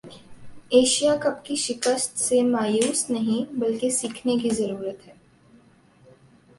Asia cup کی شکست سے مایوس نہیں بلکہ سیکھنے کی ضرورت ہے